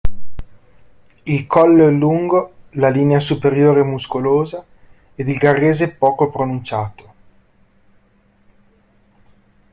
Il collo è lungo, la linea superiore è muscolosa ed il garrese poco pronunciato..